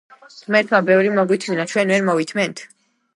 ღმერთმა ბევრი მოგვითმინა ჩვენ ვერ მოვითმენთ?